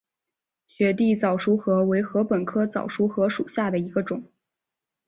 雪地早熟禾为禾本科早熟禾属下的一个种。